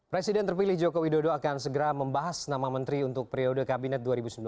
presiden terpilih joko widodo akan segera membahas nama menteri untuk periode kabinet dua ribu sembilan belas dua ribu sembilan